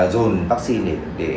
dồn vaccine để